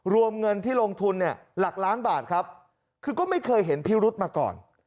รวมเงินที่ลงทุนเนี่ยหลักล้านบาทครับคือก็ไม่เคยเห็นพิรุธมาก่อน